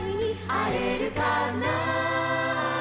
「あえるかな」